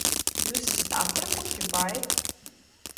Jūs esat aptrakuši, vai?